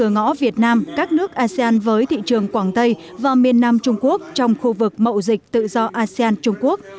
gian với thị trường quảng tây và miền nam trung quốc trong khu vực mậu dịch tự do asean trung quốc